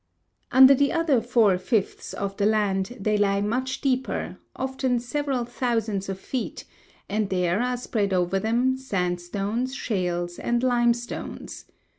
Under the other four fifths of the land they lie much deeper, often several thousands of feet, and there are spread over them sandstones, shales, and limestones.